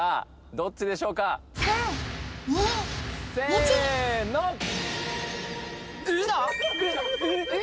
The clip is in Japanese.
どっちでしょうかせのえっ？